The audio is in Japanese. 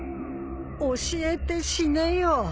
教えて死ねよ！